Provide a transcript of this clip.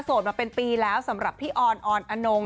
มาเป็นปีแล้วสำหรับพี่ออนออนอนง